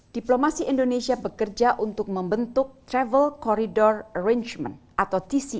diplomasi indonesia bekerja untuk membentuk travel corridor arrangement